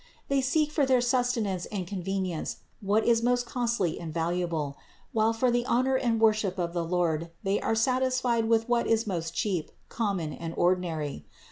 They seek for their sustenance and convenience what is most costly and valuable, while for the honor and worship of the Lord they are satisfied with what is most cheap, common and ordinary.